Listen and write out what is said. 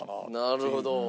なるほど。